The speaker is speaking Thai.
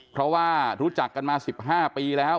เพราะว่ารู้จักกันมา๑๕ปีแล้ว